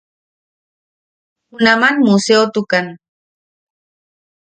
Junam museotukan.